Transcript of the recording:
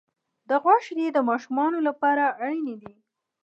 د غوا شیدې د ماشومانو لپاره اړینې دي.